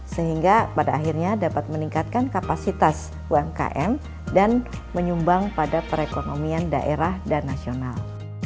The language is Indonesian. sehingga pada akhirnya dapat meningkatkan kapasitas umkm dan menyumbang pada perekonomian daerah dan nasional